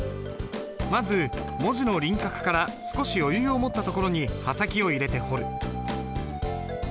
まず文字の輪郭から少し余裕を持ったところに刃先を入れて彫る。